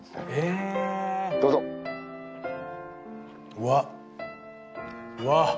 うわっうわっ！